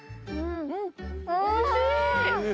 おいしい。